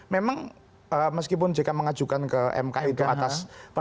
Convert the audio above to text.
memang meskipun jk mengajukan ke mk itu atas